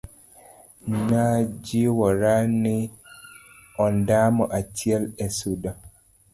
najiwora ni ondamo achiel e sudo